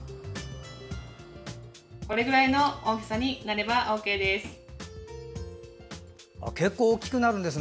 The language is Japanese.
これくらいの大きさになればＯＫです。